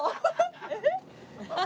えっ？